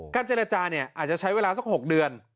เจรจาเนี่ยอาจจะใช้เวลาสัก๖เดือน